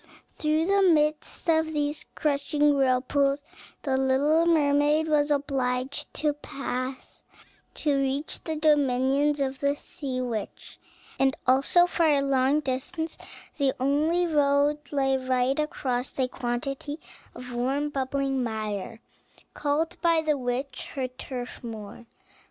Through the midst of these crushing whirlpools the little mermaid was obliged to pass, to reach the dominions of the sea witch; and also for a long distance the only road lay right across a quantity of warm, bubbling mire, called by the witch her turfmoor.